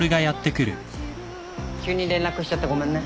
急に連絡しちゃってごめんね。